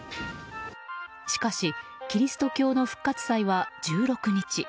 しかしキリスト教の復活祭は１６日。